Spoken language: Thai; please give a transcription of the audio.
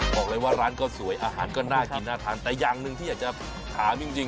บอกเลยว่าร้านก็สวยอาหารก็น่ากินน่าทานแต่อย่างหนึ่งที่อยากจะถามจริง